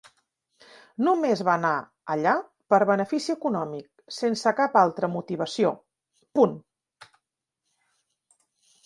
Només va anar allà per benefici econòmic, sense cap altra motivació, punt.